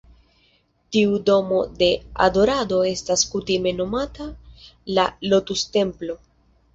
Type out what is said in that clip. Tiu "Domo de Adorado" estas kutime nomata la "Lotus-Templo".